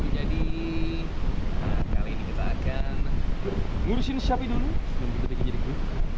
jadi kali ini kita akan ngurusin siapin dulu